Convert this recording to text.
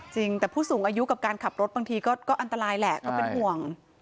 จริงแต่ผู้สูงอายุกับการขับรถบางทีก็อันตรายแหละก็เป็นห่วง